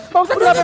jangan pisah disini